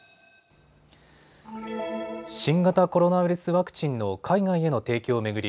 新型コロナウイルスワクチンの海外への提供を巡り